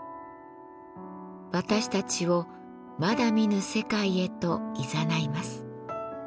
私たちをまだ見ぬ世界へといざないます。